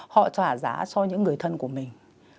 họ trả giá cho những người thân của mình